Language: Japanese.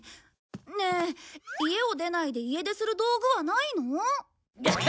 ねえ家を出ないで家出する道具はないの？